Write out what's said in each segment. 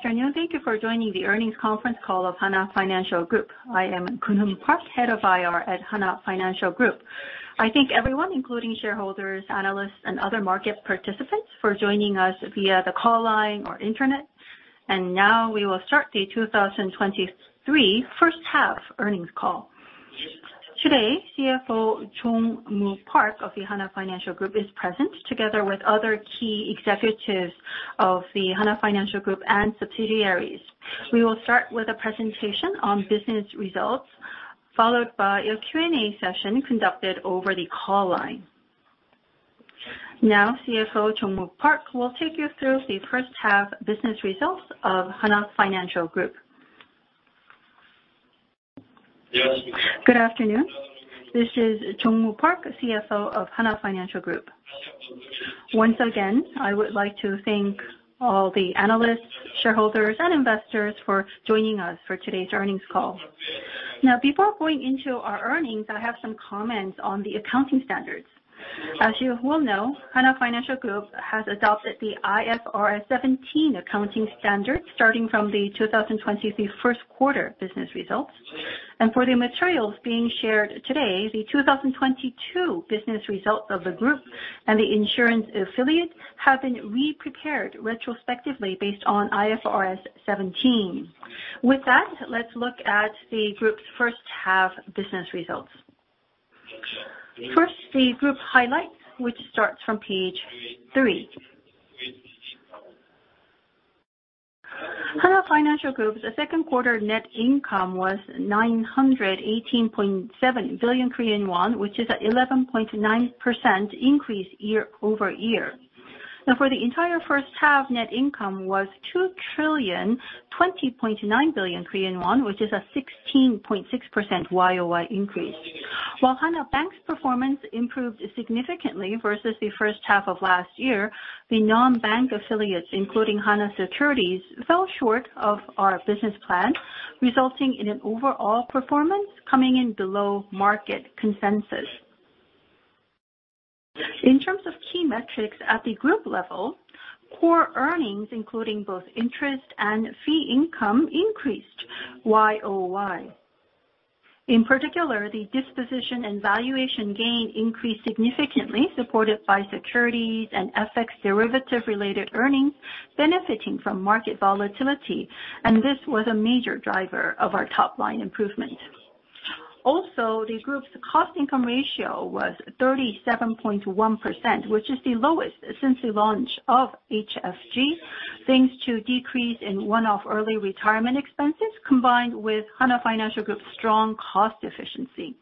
Good afternoon. Thank you for joining the earnings conference call of Hana Financial Group. I am Joonmoo Park, Head of IR at Hana Financial Group. I thank everyone, including shareholders, analysts, and other market participants, for joining us via the call line or internet. Now we will start the 2023 first half earnings call. Today, CFO Jong-Moo Park of the Hana Financial Group is present, together with other key executives of the Hana Financial Group and subsidiaries. We will start with a presentation on business results, followed by a Q&A session conducted over the call line. Now, CFO Jong-Moo Park will take you through the first half business results of Hana Financial Group Good afternoon. This is Jong-Moo Park, CFO of Hana Financial Group. Once again, I would like to thank all the analysts, shareholders, and investors for joining us for today's earnings call. Before going into our earnings, I have some comments on the accounting standards. As you well know, Hana Financial Group has adopted the IFRS 17 accounting standard, starting from the 2023 first quarter business results. For the materials being shared today, the 2022 business results of the group and the insurance affiliates have been re-prepared retrospectively based on IFRS 17. With that, let's look at the group's 1st half business results. First, the group highlights, which starts from page 3. Hana Financial Group's second quarter net income was 918.7 billion Korean won, which is an 11.9% increase year-over-year. For the entire first half, net income was 2,020.9 billion Korean won, which is a 16.6% YOY increase. While Hana Bank's performance improved significantly versus the first half of last year, the non-bank affiliates, including Hana Securities, fell short of our business plan, resulting in an overall performance coming in below market consensus. In terms of key metrics at the group level, core earnings, including both interest and fee income, increased YOY. In particular, the disposition and valuation gain increased significantly, supported by securities and FX derivative-related earnings benefiting from market volatility, and this was a major driver of our top-line improvement. The group's Cost-to-Income Ratio was 37.1%, which is the lowest since the launch of HFG, thanks to decrease in one-off early retirement expenses, combined with Hana Financial Group's strong cost efficiency.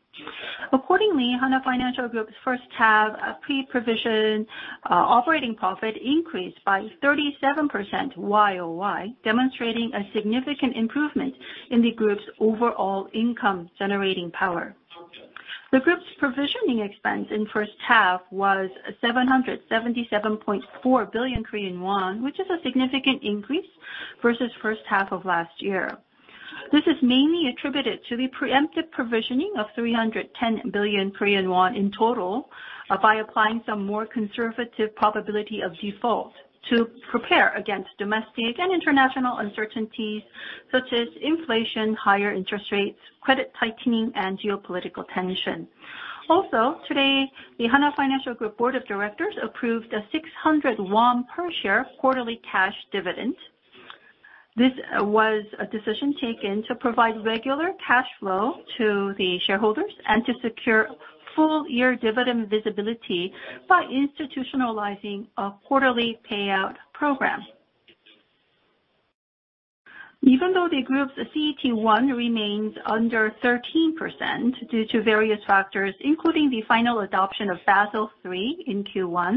Accordingly, Hana Financial Group's first half pre-provision operating profit increased by 37% YOY, demonstrating a significant improvement in the group's overall income-generating power. The group's provisioning expense in first half was 777.4 billion Korean won, which is a significant increase versus first half of last year. This is mainly attributed to the preemptive provisioning of 310 billion Korean won in total, by applying some more conservative probability of default to prepare against domestic and international uncertainties, such as inflation, higher interest rates, credit tightening, and geopolitical tension. Today, the Hana Financial Group board of directors approved a 600 won per share quarterly cash dividend. This was a decision taken to provide regular cash flow to the shareholders and to secure full year dividend visibility by institutionalizing a quarterly payout program. Even though the group's CET1 remains under 13% due to various factors, including the final adoption of Basel III in Q1,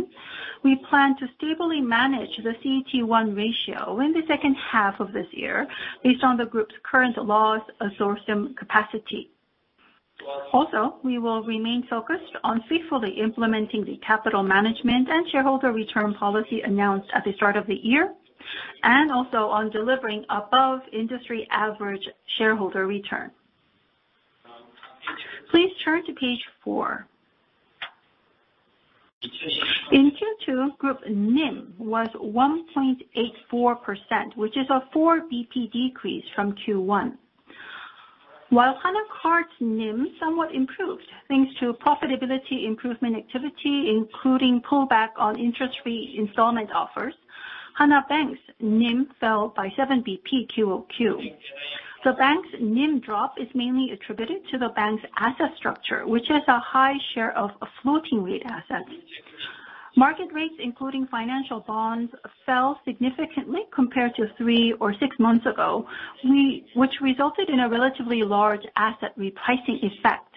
we plan to stably manage the CET1 ratio in the second half of this year based on the group's current laws sourcing capacity. We will remain focused on faithfully implementing the capital management and shareholder return policy announced at the start of the year, and also on delivering above industry average shareholder return. Please turn to page 4. In Q2, group NIM was 1.84%, which is a 4 BP decrease from Q1. While Hana Card's NIM somewhat improved thanks to profitability improvement activity, including pullback on interest-free installment offers, Hana Bank's NIM fell by 7 BP QoQ. The bank's NIM drop is mainly attributed to the bank's asset structure, which has a high share of floating rate assets. Market rates, including financial bonds, fell significantly compared to three or six months ago, which resulted in a relatively large asset repricing effect.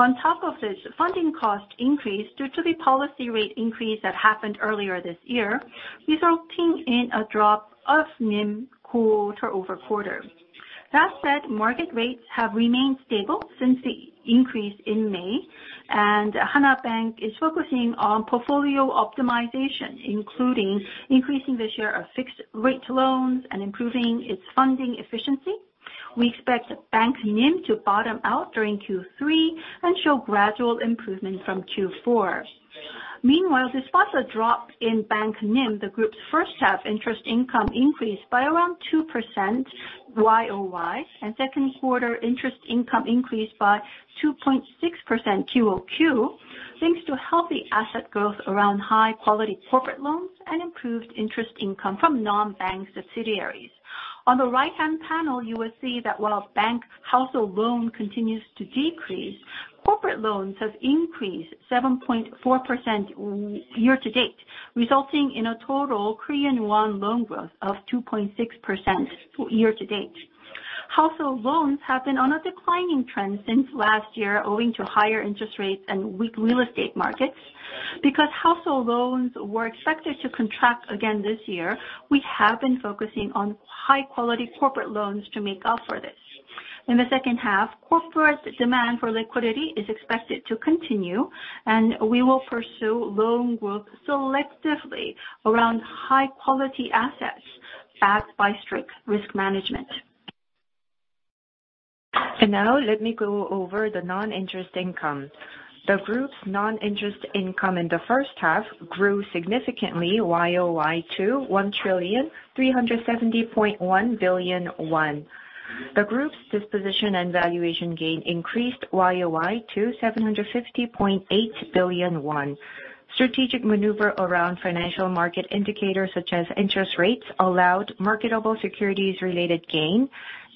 On top of this, funding cost increased due to the policy rate increase that happened earlier this year, resulting in a drop of NIM quarter-over-quarter. That said, market rates have remained stable since the increase in May, and Hana Bank is focusing on portfolio optimization, including increasing the share of fixed rate loans and improving its funding efficiency. We expect bank NIM to bottom out during Q3 and show gradual improvement from Q4. Meanwhile, despite a drop in bank NIM, the Group's first half interest income increased by around 2% YOY, and second quarter interest income increased by 2.6% QoQ, thanks to healthy asset growth around high-quality corporate loans and improved interest income from non-bank subsidiaries. On the right-hand panel, you will see that while bank household loan continues to decrease, corporate loans have increased 7.4% year-to-date, resulting in a total Korean won loan growth of 2.6% year-to-date. Household loans have been on a declining trend since last year, owing to higher interest rates and weak real estate markets. Because household loans were expected to contract again this year, we have been focusing on high-quality corporate loans to make up for this. In the second half, corporate demand for liquidity is expected to continue, and we will pursue loan growth selectively around high-quality assets, backed by strict risk management. Now let me go over the non-interest income. The group's non-interest income in the first half grew significantly YOY to 1,370.1 billion won. The group's disposition and valuation gain increased YOY to 750.8 billion won. Strategic maneuver around financial market indicators, such as interest rates, allowed marketable securities-related gain,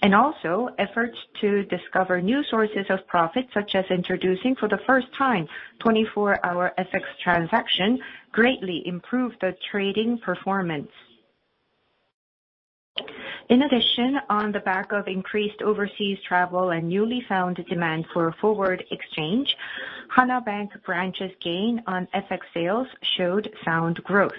and also efforts to discover new sources of profit, such as introducing for the first time 24-hour FX transaction, greatly improved the trading performance. In addition, on the back of increased overseas travel and newly found demand for forward exchange, Hana Bank branches' gain on FX sales showed sound growth.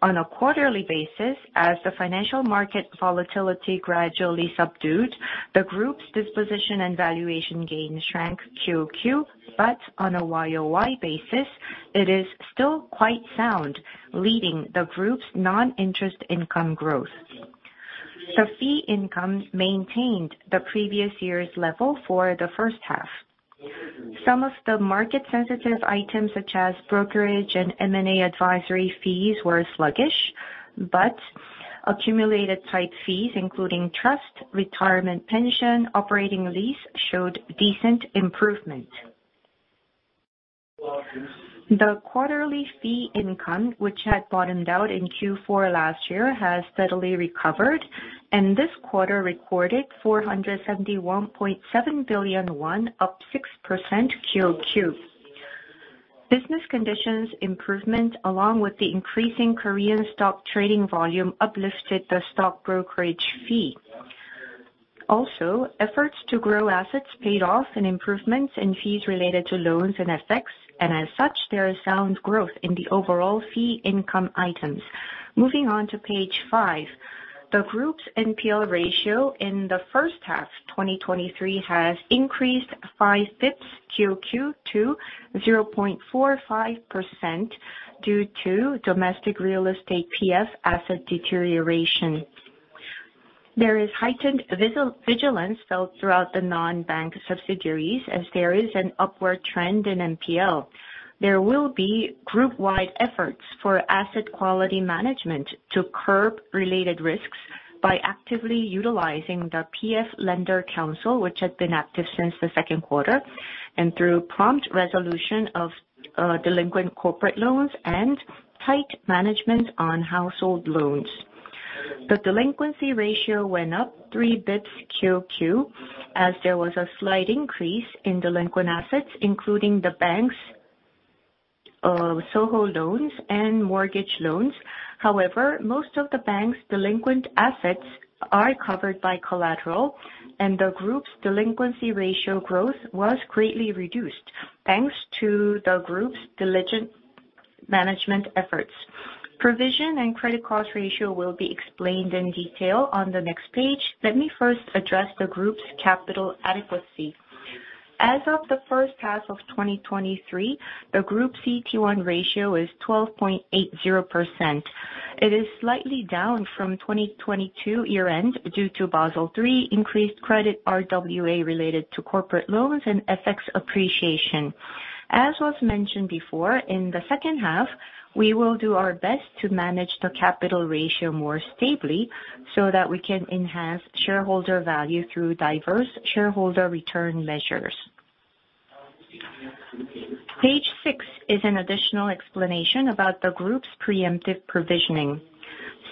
On a quarterly basis, as the financial market volatility gradually subdued, the group's disposition and valuation gain shrank QoQ, but on a YOY basis, it is still quite sound, leading the group's non-interest income growth. The fee income maintained the previous year's level for the first half. Some of the market-sensitive items, such as brokerage and M&A advisory fees, were sluggish, but accumulated type fees, including trust, retirement pension, operating lease, showed decent improvement. The quarterly fee income, which had bottomed out in Q4 last year, has steadily recovered, and this quarter recorded 471.7 billion won, up 6% QoQ. Business conditions improvement, along with the increasing Korean stock trading volume, uplifted the stock brokerage fee. Efforts to grow assets paid off in improvements in fees related to loans and FX, and as such, there is sound growth in the overall fee income items. Moving on to page 5, the group's NPL ratio in the first half 2023 has increased 5 basis points QoQ to 0.45% due to domestic real estate PF asset deterioration. There is heightened vigilance felt throughout the non-bank subsidiaries as there is an upward trend in NPL. There will be group-wide efforts for asset quality management to curb related risks by actively utilizing the PF Lender Council, which had been active since the second quarter, and through prompt resolution of delinquent corporate loans and tight management on household loans. The delinquency ratio went up 3 basis points QoQ, as there was a slight increase in delinquent assets, including the bank's SOHO loans and mortgage loans. However, most of the bank's delinquent assets are covered by collateral, and the group's delinquency ratio growth was greatly reduced, thanks to the group's diligent management efforts. Provision and credit cost ratio will be explained in detail on the next page. Let me first address the group's capital adequacy. As of the first half of 2023, the group CET1 ratio is 12.80%. It is slightly down from 2022 year-end due to Basel III increased credit RWA related to corporate loans and FX appreciation. As was mentioned before, in the second half, we will do our best to manage the capital ratio more stably, so that we can enhance shareholder value through diverse shareholder return measures. Page 6 is an additional explanation about the group's preemptive provisioning.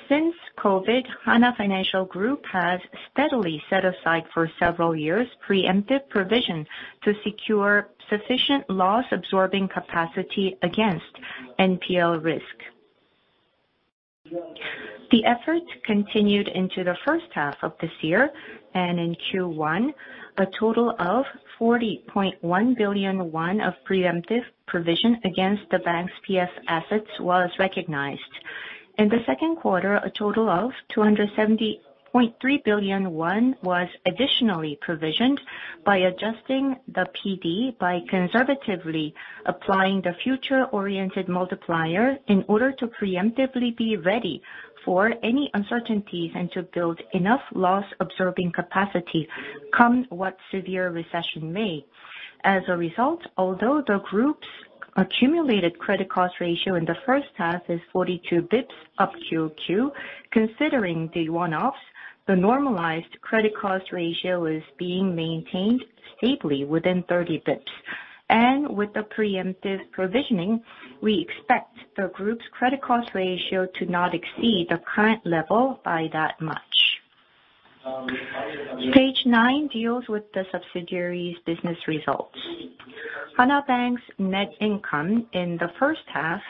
Since COVID, Hana Financial Group has steadily set aside for several years preemptive provision to secure sufficient loss-absorbing capacity against NPL risk. The efforts continued into the first half of this year. In Q1, a total of 40.1 billion won of preemptive provision against Hana Bank's PF assets was recognized. In the second quarter, a total of 270.3 billion won was additionally provisioned by adjusting the PD by conservatively applying the future-oriented multiplier in order to preemptively be ready for any uncertainties and to build enough loss-absorbing capacity, come what severe recession may. As a result, although the group's Accumulated credit cost ratio in the first half is 42 basis points up QoQ. Considering the one-offs, the normalized credit cost ratio is being maintained stably within 30 basis points. With the preemptive provisioning, we expect the group's credit cost ratio to not exceed the current level by that much. Page 9 deals with the subsidiaries' business results. Hana Bank's net income in the first half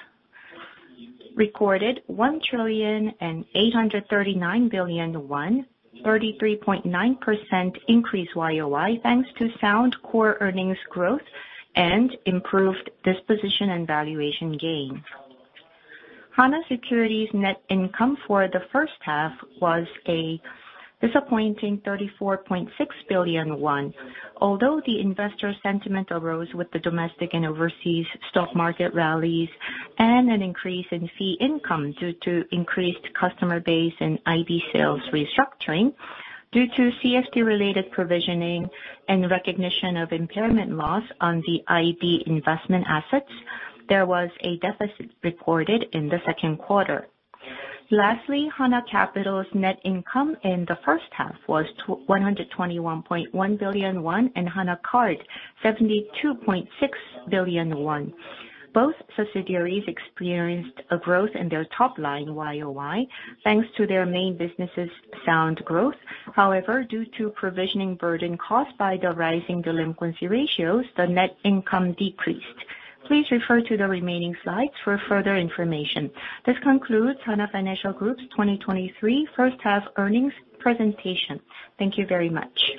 recorded KRW 1,839 billion, 33.9% increase YOY, thanks to sound core earnings growth and improved disposition and valuation gain. Hana Securities net income for the first half was a disappointing 34.6 billion won, although the investor sentiment arose with the domestic and overseas stock market rallies and an increase in fee income due to increased customer base and IB sales restructuring. Due to CFD-related provisioning and recognition of impairment loss on the IB investment assets, there was a deficit reported in the second quarter. Lastly, Hana Capital's net income in the first half was 121.1 billion won, and Hana Card, 72.6 billion won. Both subsidiaries experienced a growth in their top line YOY, thanks to their main business' sound growth. Due to provisioning burden caused by the rising delinquency ratios, the net income decreased. Please refer to the remaining slides for further information. This concludes Hana Financial Group's 2023 first half earnings presentation. Thank you very much!